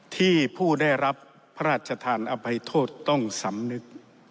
ที่ผู้ได้รับพระราชทานอภัยโทษต้องสำนึก